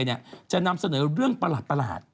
จะนำเสนอเรื่องประหลาด